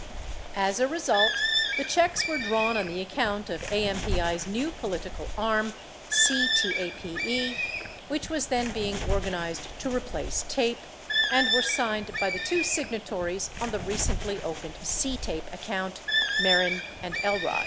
35 As a result, the checks were drawn on the account of AMPI's new T political arm, CTAPE, which was then being organized to replace TAPE, and were signed by the two signatories on the recently opened CTAPE account, Mehren and Elrod.